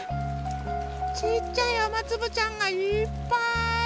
ちいちゃいあまつぶちゃんがいっぱい！